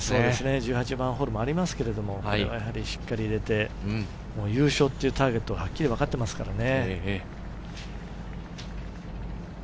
１８番ホールもありますが、これはしっかり入れて、優勝というターゲットははっきり分かっていますからね。